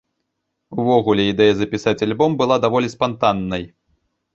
Увогуле, ідэя запісаць альбом была даволі спантаннай.